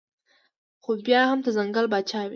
خو بيا هم د ځنګل باچا وي